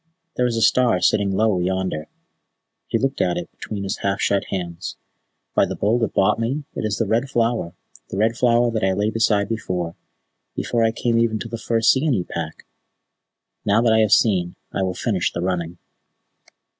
There is a star sitting low yonder." He looked at it between his half shut hands. "By the Bull that bought me, it is the Red Flower the Red Flower that I lay beside before before I came even to the first Seeonee Pack! Now that I have seen, I will finish the running."